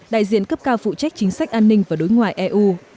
đại diện cấp cao phụ trách chính sách an ninh và đối ngoại eu